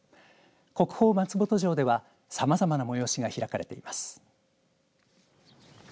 国宝、松本城ではさまざまな催しが開かれています。